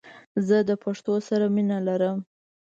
زه د پښتو سره مینه لرم🇦🇫❤️